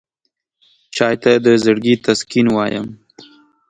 چای ته د زړګي تسکین وایم.